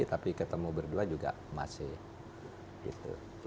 tapi ketemu berdua juga masih gitu